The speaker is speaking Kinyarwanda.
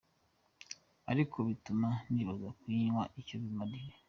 Ariko bituma nibaza kuyinywa icyo bimariye.